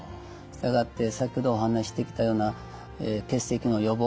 したがって先ほどお話ししてきたような結石の予防法